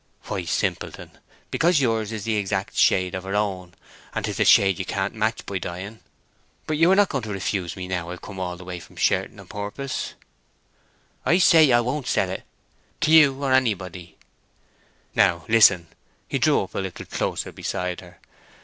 "Why, simpleton, because yours is the exact shade of her own, and 'tis a shade you can't match by dyeing. But you are not going to refuse me now I've come all the way from Sherton o' purpose?" "I say I won't sell it—to you or anybody." "Now listen," and he drew up a little closer beside her.